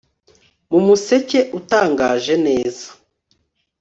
mu museke utangaje neza